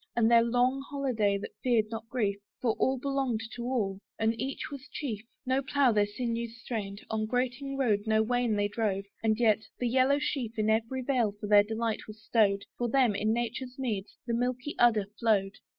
And their long holiday that feared not grief, For all belonged to all, and each was chief. No plough their sinews strained; on grating road No wain they drove, and yet, the yellow sheaf In every vale for their delight was stowed: For them, in nature's meads, the milky udder flowed.